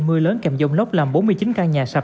mưa lớn kèm dông lốc làm bốn mươi chín căn nhà sập